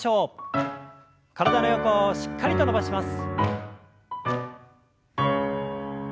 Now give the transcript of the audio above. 体の横をしっかりと伸ばします。